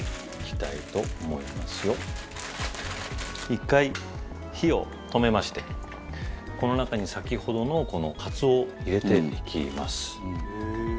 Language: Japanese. １回火を止めましてこの中に先ほどのカツオを入れていきます。